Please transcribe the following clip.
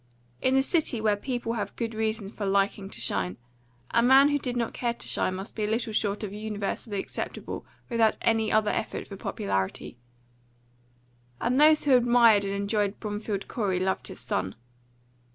In a city where people have good reason for liking to shine, a man who did not care to shine must be little short of universally acceptable without any other effort for popularity; and those who admired and enjoyed Bromfield Corey loved his son.